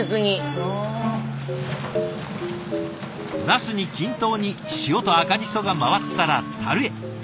ナスに均等に塩と赤ジソが回ったらたるへ。